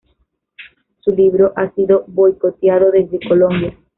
Su libro ha sido boicoteado desde Colombia.